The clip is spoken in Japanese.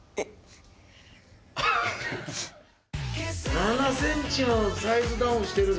７ｃｍもサイズダウンしてるで！